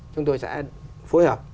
chúng tôi sẽ phối hợp